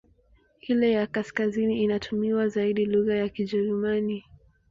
Ile ya kaskazini inatumia zaidi lugha ya Kijerumani.